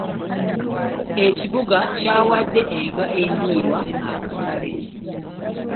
Ekibuga kyawadde enva endiirwa akatale.